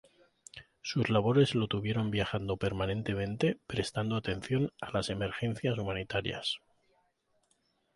Sus labores lo tuvieron viajando permanentemente, prestando atención a las emergencias humanitarias.